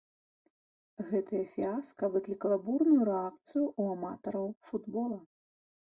Гэтае фіяска выклікала бурную рэакцыю ў аматараў футбола.